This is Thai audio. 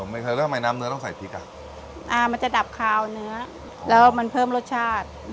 ไม่เคยแล้วทำไมน้ำเนื้อต้องใส่พริกอ่ะอ่ามันจะดับคาวเนื้อแล้วมันเพิ่มรสชาติ